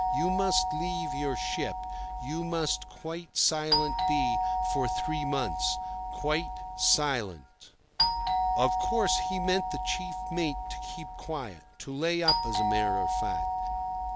You must leave your ship; you must quite silent be for three months—quite silent." Of course, he meant the chief mate to keep quiet—to lay up, as a matter of fact.